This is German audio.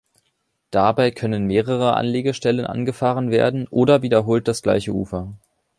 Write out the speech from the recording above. Dabei können mehrere Anlegestellen angefahren werden oder wiederholt das gleiche Ufer.